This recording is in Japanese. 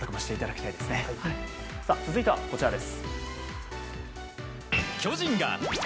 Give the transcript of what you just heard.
続いてはこちらです。